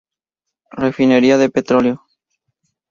Refinería de petróleo.